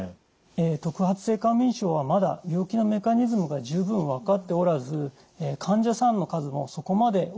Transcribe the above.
特発性過眠症はまだ病気のメカニズムが十分分かっておらず患者さんの数もそこまで多くありません。